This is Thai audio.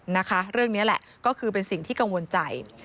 นะคะเรื่องนี้แหละก็คือเป็นสิ่งที่กังวลใจ